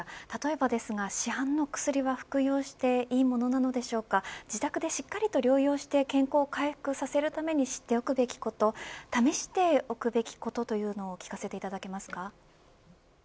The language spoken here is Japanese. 例えばですが市販の薬は服用していいものなのでしょうか自宅でしっかりと療養して健康を回復させるために知っておくべきことや試しておくべきことというのを聞かせていただきますか。